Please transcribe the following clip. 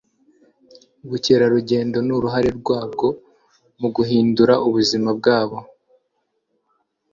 ubukerarugendo n'uruhare rwabwo mu guhindura ubuzima bwabo